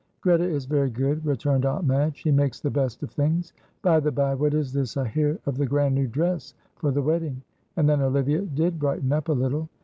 "Greta is very good," returned Aunt Madge. "She makes the best of things. By the bye, what is this I hear of a grand new dress for the wedding?" And then Olivia did brighten up a little.